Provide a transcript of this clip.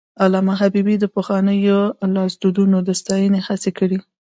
علامه حبيبي د پخوانیو لاسوندونو د ساتنې هڅې کړي.